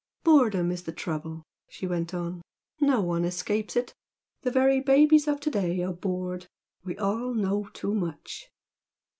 "Boredom is the trouble" she went on "No one escapes it. The very babies of to day are bored. We all know too much.